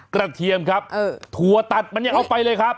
เทียมครับถั่วตัดมันยังเอาไปเลยครับ